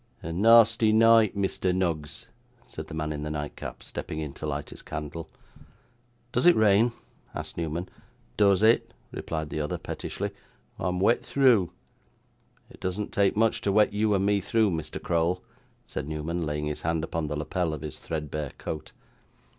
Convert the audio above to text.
'A nasty night, Mr. Noggs!' said the man in the nightcap, stepping in to light his candle. 'Does it rain?' asked Newman. 'Does it?' replied the other pettishly. 'I am wet through.' 'It doesn't take much to wet you and me through, Mr. Crowl,' said Newman, laying his hand upon the lappel of his threadbare coat.